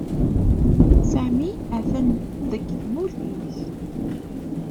Sami atan deg tmurt is